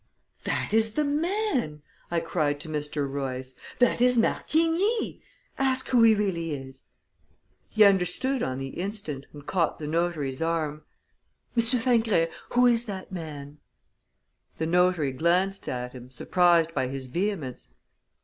"That is the man!" I cried to Mr. Royce. "That is Martigny! Ask who he really is." He understood on the instant, and caught the notary's arm. "Monsieur Fingret, who is that man?" The notary glanced at him, surprised by his vehemence.